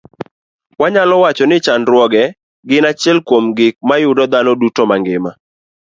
Wanyalo wacho ni chandruoge gin achiel kuom gik ma yudo dhano duto mangima